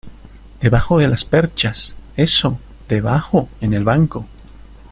debajo de las perchas. eso, debajo en el banco .